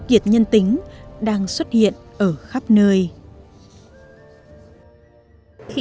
những việc nhân tính đang xuất hiện ở khắp nơi